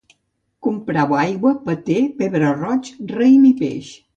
Comprau aigua, paté, pebre roig, raïm i peix